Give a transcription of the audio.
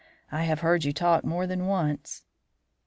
I have heard you talk more than once."